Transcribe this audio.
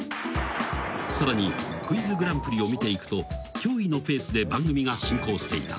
［さらに『クイズグランプリ』を見ていくと驚異のペースで番組が進行していた］